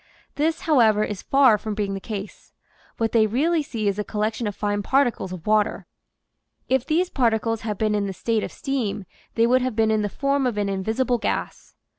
This, however, is far from being the case What they really see is a collection of fine particles of water. If these particles had been in the state of steam they would have been in the form of an invisible gas.